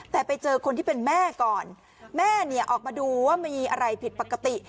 แต่ไปเจอคนที่เป็นแม่ก่อนแม่เนี่ยออกมาดูว่ามีอะไรผิดปกติ